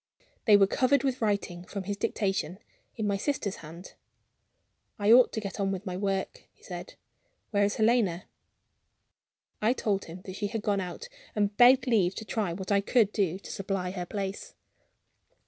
They were covered with writing (from his dictation) in my sister's hand. "I ought to get on with my work," he said. "Where is Helena?" I told him that she had gone out, and begged leave to try what I could do to supply her place.